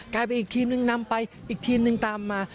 ไปอีกทีมหนึ่งนำไปอีกทีมหนึ่งตามมา